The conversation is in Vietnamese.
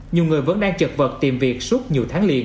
nhiều người vẫn đang chợt vợt tìm việc suốt nhiều tháng liền